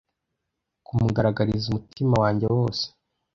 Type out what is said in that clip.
kumugaragariza umutima wanjye wose